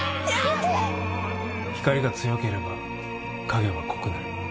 光が強ければ影は濃くなる。